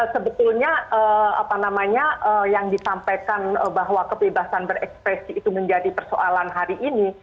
sebetulnya apa namanya yang disampaikan bahwa kebebasan berekspresi itu menjadi persoalan hari ini